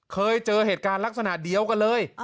เคยเจอเหตุการณ์ลักษณะเดียวกันเลย